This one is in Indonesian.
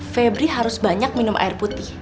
febri harus banyak minum air putih